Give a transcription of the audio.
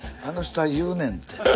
あの人は言うねんて。